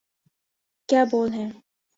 کیا بول ہیں۔